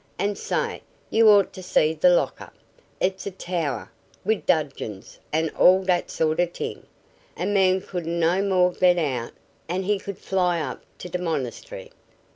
An' say, you ought to see d' lock up! It's a tower, wid dungeons an' all dat sort of t'ing. A man couldn't no more get out 'n' he could fly up to d' monastery.